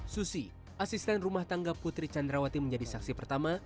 susi asisten rumah tangga putri candrawati menjadi saksi pertama